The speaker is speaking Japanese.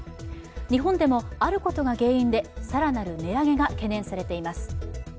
日本でも、あることが原因で更なる値上げが懸念されています。